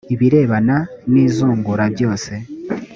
ibirebana n izungura byose